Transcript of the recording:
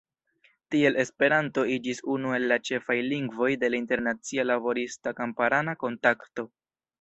Tiel Esperanto iĝis unu el la ĉefaj lingvoj de la internacia laborista-kamparana kontakto.